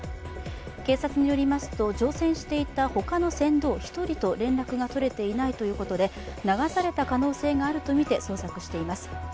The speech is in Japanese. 警察によりますと、乗船していたほかの船頭１人と連絡が取れていないということで流された可能性があるとみて捜索しています。